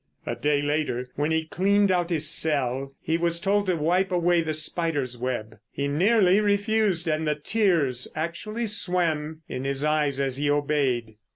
A day later, when he cleaned out his cell, he was told to wipe away the spider's web. He nearly refused, and the tears actually swam in his eyes as he obeyed.